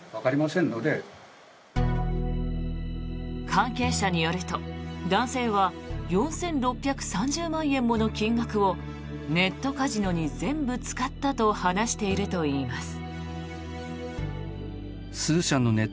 関係者によると男性は４６３０万円もの金額をネットカジノに全部使ったと話しているといいます。